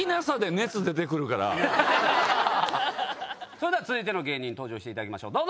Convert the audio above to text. それでは続いての芸人に登場していただきましょう。